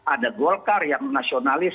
ada golkar yang nasionalis